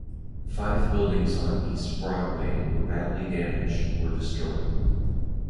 Five buildings on East Broadway were badly damaged or destroyed.